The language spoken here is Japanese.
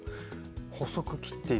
細く切っていく。